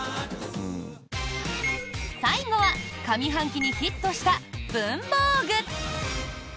最後は上半期にヒットした文房具！